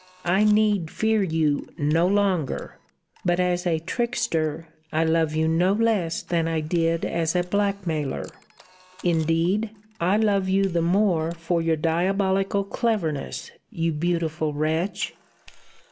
I need fear you no longer. But as a trickster I love you no less than I did as a blackmailer. Indeed, I love you the more for your diabolical cleverness, you beautiful wretch!